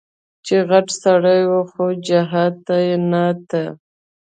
چې غټ سړى و خو جهاد ته نه ته.